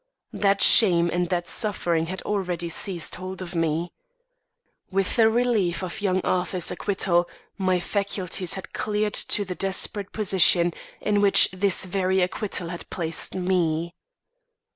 That shame and that suffering had already seized hold of me. With the relief of young Arthur's acquittal my faculties had cleared to the desperate position in which this very acquittal had placed me.